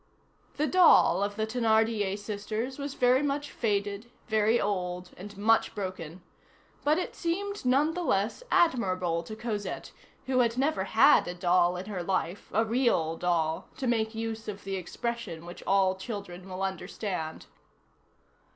The doll of the Thénardier sisters was very much faded, very old, and much broken; but it seemed nonetheless admirable to Cosette, who had never had a doll in her life, a real doll, to make use of the expression which all children will understand.